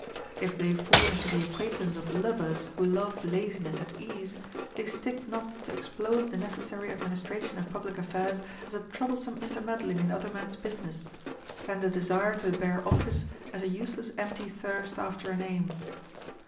If they fall into the 120 HOW TO KNOW A FLATTERER acquaintance of lubbers who love laziness and ease, they stick not to explode the necessary administration of public affairs as a troublesome intermeddling in other men's busi ness, and a desire to bear office as an useless empty thirst after a name.